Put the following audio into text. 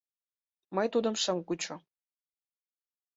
Мый тудым шым кучо.